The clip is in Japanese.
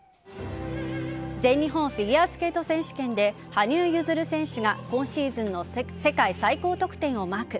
全日本フィギュアスケート選手権で羽生結弦選手が今シーズンの世界最高得点をマーク。